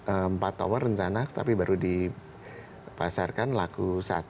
empat tower rencana tapi baru dipasarkan laku satu